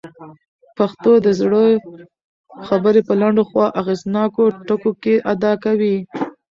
پښتو د زړه خبرې په لنډو خو اغېزناکو ټکو کي ادا کوي.